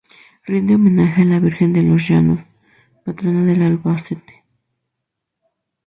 Rinde homenaje a la Virgen de Los Llanos, patrona de Albacete.